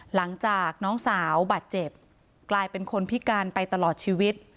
หลังจากน้องสาวบาดเจ็บกลายเป็นคนพิการไปตลอดชีวิต